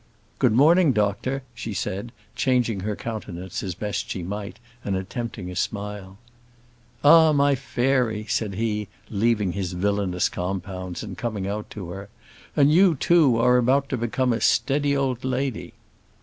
"Good morning, doctor," she said, changing her countenance as best she might, and attempting a smile. "Ah, my fairy!" said he, leaving his villainous compounds, and coming out to her; "and you, too, are about to become a steady old lady."